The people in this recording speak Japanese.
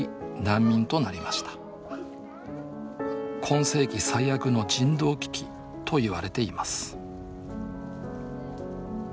「今世紀最悪の人道危機」と言われています